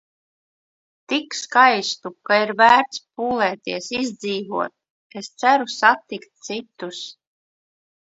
Tik skaistu, ka ir vērts pūlēties izdzīvot. Es ceru satikt citus.